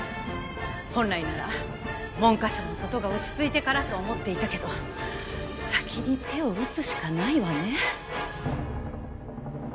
本来なら文科省の事が落ち着いてからと思っていたけど先に手を打つしかないわね。